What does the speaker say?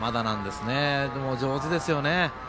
でも、上手ですよね。